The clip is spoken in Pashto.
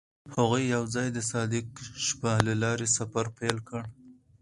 هغوی یوځای د صادق شپه له لارې سفر پیل کړ.